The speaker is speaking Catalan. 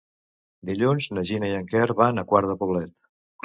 Dilluns na Gina i en Quer van a Quart de Poblet.